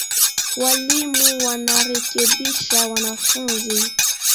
Walimu wanarekebisha wanafunzi